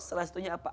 salah satunya apa